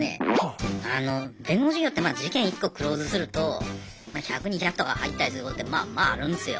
あの弁護士業ってまあ事件１個クローズすると１００２００とか入ったりすることってまあまああるんすよ。